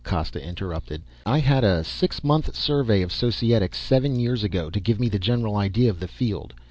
Costa interrupted. "I had a six months survey of Societics seven years ago, to give me a general idea of the field.